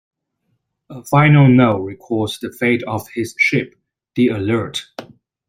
A final note records the fate of his ship, the "Alert".